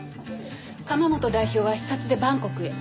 釜本代表は視察でバンコクへ。